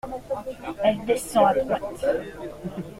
Elle descend à droite.